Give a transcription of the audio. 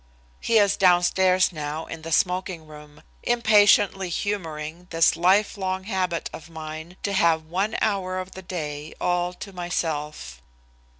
He is downstairs now in the smoking room, impatiently humoring this lifelong habit of mine to have one hour of the day all to myself.